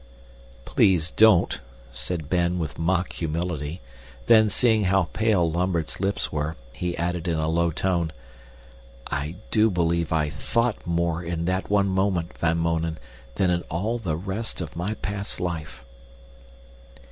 "Please don't," said Ben with mock humility, then seeing how pale Lambert's lips were, he added in a low tone, "I do believe I THOUGHT more in that one moment, Van Mounen, than in all the rest of my past life."